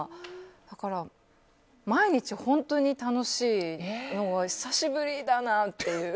だから、毎日本当に楽しいのは久しぶりだなっていう。